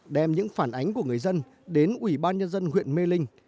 đem những phản ánh của người dân đến ủy ban nhân dân huyện mê linh